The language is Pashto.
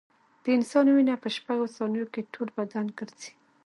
د انسان وینه په شپږو ثانیو کې ټول بدن ګرځي.